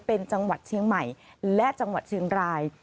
เป็นจังหวัดเชียงใหม่และจังหวัดเชียงราย